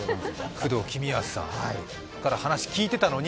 工藤公康さんから話を聞いていたのに。